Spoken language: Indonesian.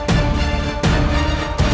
raja ibu nda